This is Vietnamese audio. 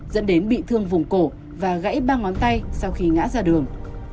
dẫn đến bị thương vùng cổ và gãy ba ngón tay sau khi ngã ra đường